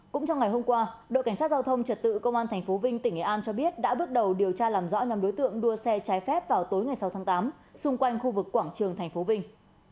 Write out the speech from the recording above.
cũng trong ngày hôm qua đội cảnh sát giao thông trật tự công an tp vinh tỉnh nghệ an cho biết đã bước đầu điều tra làm rõ nhóm đối tượng đua xe trái phép vào tối ngày sáu tháng tám xung quanh khu vực quảng trường tp vinh